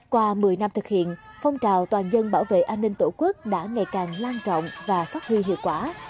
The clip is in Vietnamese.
qua một mươi năm thực hiện phong trào toàn dân bảo vệ an ninh tổ quốc đã ngày càng lan trọng và phát huy hiệu quả